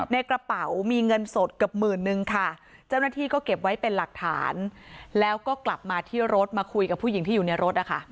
ในกระเป๋ามีเงินสดเกือบหมื่นนึงค่ะเจ้าหน้าที่ก็เก็บไว้เป็นหลักฐานแล้วก็กลับมาที่รถมาคุยกับผู้หญิงที่อยู่ในรถนะคะ